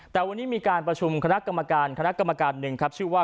แต่วันนี้มีการประชุมคณะกรรมการ๑ครับชื่อว่า